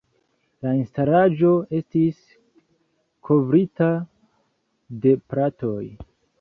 La instalaĵo estis kovrita de platoj.